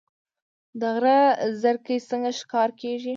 د غره زرکې څنګه ښکار کیږي؟